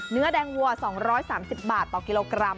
เนื้อแดงวัว๒๓๐บาทต่อกิโลกรัม